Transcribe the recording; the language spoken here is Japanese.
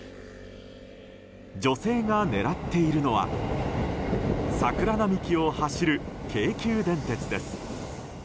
女性が狙っているのは桜並木を走る京急電鉄です。